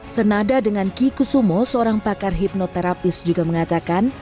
senada dengan ki kusumo seorang pakar hipnoterapis juga mengatakan